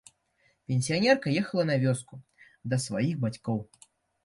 Пенсіянерка ехала на вёску да сваіх бацькоў.